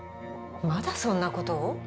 まだそんなことを？